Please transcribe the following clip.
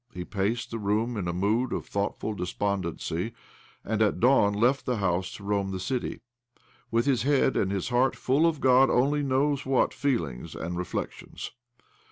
He paced the room in a mood of thoughtful despondency, and at dawn left the house to roam the city, with his head and his heart full of God only knows what feelings and reflections